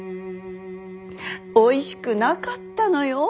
おいしくなかったのよ。